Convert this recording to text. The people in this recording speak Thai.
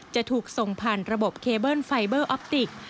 จะถูกส่งผ่านระบบเคเบิ้ลไฟเบอร์ออปติก